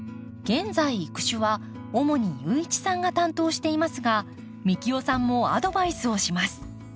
現在育種は主に雄一さんが担当していますが幹雄さんもアドバイスをします。